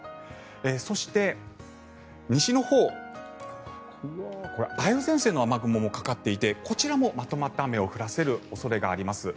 そして、西のほう梅雨前線の雨雲もかかっていてこちらもまとまった雨を降らせる恐れがあります。